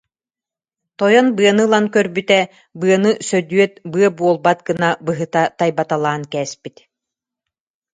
Тойон быаны ылан көрбүтэ, быаны Сөдүөт быа буолбат гына быһыта тайбаталаан кээспит